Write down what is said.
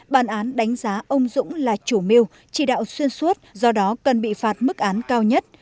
bàn án đánh giá ông dũng là chủ mưu chỉ đạo xuyên suốt do đó cần bị phạt mức án cao nhất